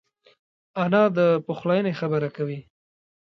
انا د پخلاینې خبره کوي